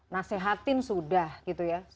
nasehatin sudah gitu ya